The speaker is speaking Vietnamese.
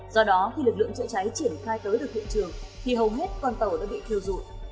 do đó khi lực lượng chữa cháy triển khai tới được hiện trường thì hầu hết con tàu đã bị thiêu dụi